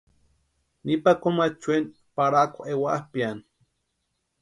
Nipa Comachueni parhakwa ewapʼiani.